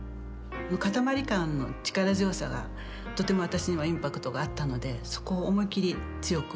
かたまり感の力強さがとても私にはインパクトがあったのでそこを思いっきり強くしています。